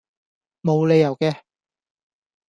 無理由既